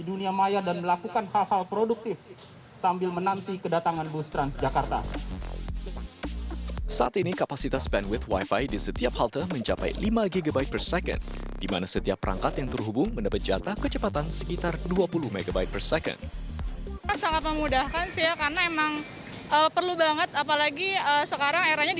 di mana setiap perangkat yang terhubung mendapat jatah kecepatan sekitar dua puluh mb per second